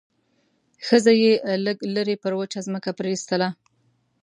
ښځه يې لږ لرې پر وچه ځمکه پرېيستله.